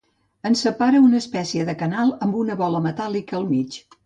Ens separa una espècie de canal amb una bola metàl·lica al mig.